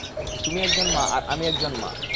তুমি মা আর আমি একজন মা।